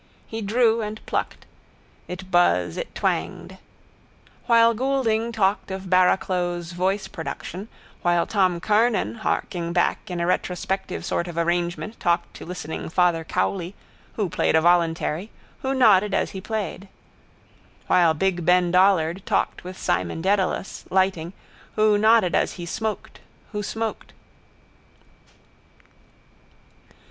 He drew and plucked. It buzz, it twanged. While Goulding talked of Barraclough's voice production, while Tom Kernan, harking back in a retrospective sort of arrangement talked to listening Father Cowley, who played a voluntary, who nodded as he played. While big Ben Dollard talked with Simon Dedalus, lighting, who nodded as he smoked, who smoked.